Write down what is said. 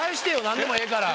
何でもええから。